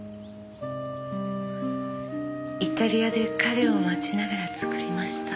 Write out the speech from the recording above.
イタリアで彼を待ちながら作りました。